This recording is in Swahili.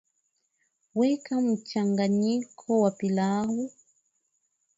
weka mchanganyiko wa pilau